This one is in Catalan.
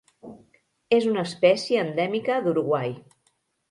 És una espècie endèmica d'Uruguai.